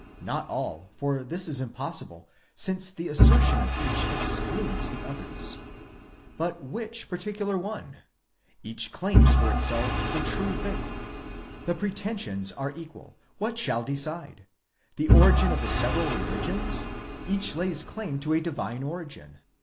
Not all, for this is impossible, since the assertion of each excludes the others. But which particular one? Each claims for itself the true faith. The pretensions are equal; what shall decide? The origin of the several religions? Each lays claim to a divine origin.